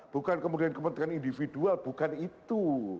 bukan kemudian kepentingan individual bukan itu